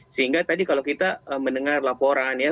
sehingga tadi kalau kita mendengar laporan ya